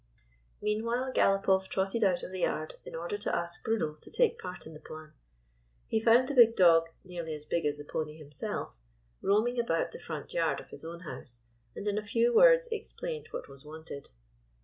Meanwhile, Galopoff trotted out of the yard in order to ask Bruno to take part in the plan. He found the big dog — nearly as big as the pony himself — roaming about the front yard of 204 A COUNCIL OF WAR his own house, and in a few words explained what was wanted.